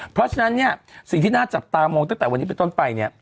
เพราะฉะนั้นเนี่ยสิ่งที่น่าจับตามองตั้งแต่วันนี้เป็นต้นไปเนี่ย